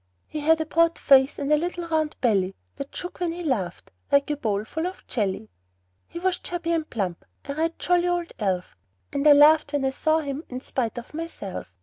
He had a broad face, and a little round belly That shook when he laughed, like a bowl full of jelly. He was chubby and plump a right jolly old elf; And I laughed when I saw him in spite of myself.